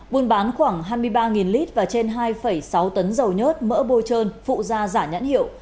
buôn bán khoảng hai mươi ba lít và trên hai sáu tấn dầu nhớt mỡ bôi trơn phụ da giả nhãn hiệu